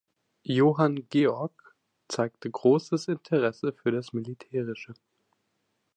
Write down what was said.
Johann Georg zeigte großes Interesse für das Militärische.